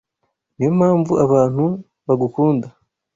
Niyo mpamvu abantu bagukunda.